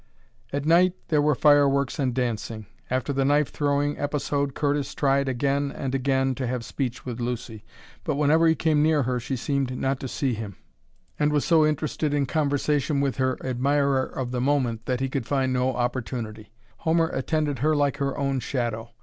At night there were fireworks and dancing. After the knife throwing episode Curtis tried again and again to have speech with Lucy, but whenever he came near she seemed not to see him, and was so interested in conversation with her admirer of the moment that he could find no opportunity. Homer attended her like her own shadow.